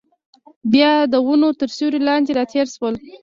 بیا د ونو تر سیوري لاندې راتېر شول.